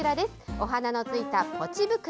お花のついたポチ袋。